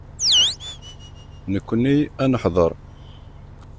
Nekkni ad neḥḍer.